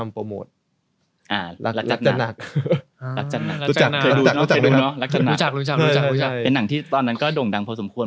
เป็นหนังที่ตอนนั้นก็โด่งดังพอสมควร